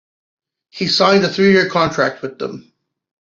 He signed a three-year contract with them.